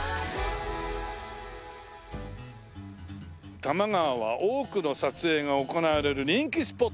「多摩川は多くの撮影が行われる人気スポット」。